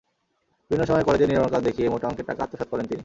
বিভিন্ন সময়ে কলেজের নির্মাণকাজ দেখিয়ে মোটা অঙ্কের টাকা আত্মসাৎ করেন তিনি।